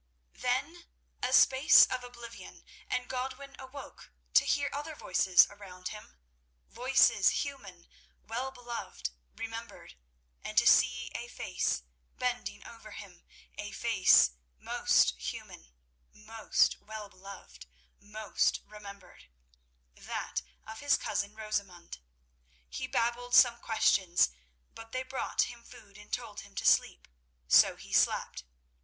Then a space of oblivion, and Godwin awoke to hear other voices around him, voices human, well beloved, remembered; and to see a face bending over him—a face most human, most well beloved, most remembered—that of his cousin Rosamund. He babbled some questions, but they brought him food, and told him to sleep, so he slept.